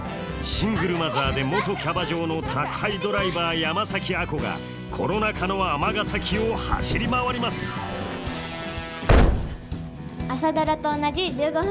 シングルマザーで元キャバ嬢の宅配ドライバー山崎亜子がコロナ禍の尼崎を走り回ります「朝ドラ」と同じ１５分間。